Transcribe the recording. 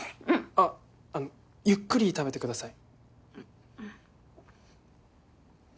あっゆっくり食べてください。